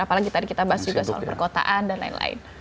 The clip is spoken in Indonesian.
apalagi tadi kita bahas juga soal perkotaan dan lain lain